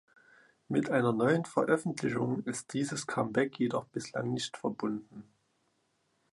Mit einer neuen Veröffentlichung ist dieses Comeback jedoch bislang nicht verbunden.